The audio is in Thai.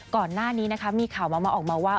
ก่อนหน้านี้นะคะมีข่าวเมาออกมาว่า